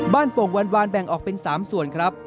โป่งวานแบ่งออกเป็น๓ส่วนครับ